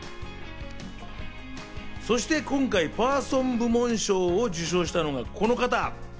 そして今回、パーソン部門賞を受賞したのがこの方。